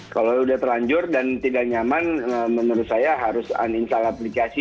kalau sudah terlanjur dan tidak nyaman menurut saya harus uninstall aplikasi